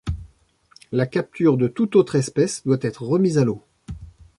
La capture de toute autre espèce doit être remise à l'eau.